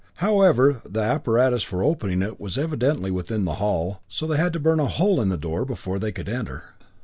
However, the apparatus for opening it was evidently within the hull, so they had to burn a hole in the door before they could enter.